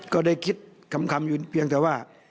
ก็ได้คิดคำอยู่เพียงแต่ว่า